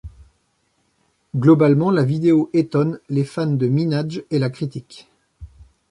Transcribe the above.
Globalement, la vidéo étonne les fans de Minaj et la critique.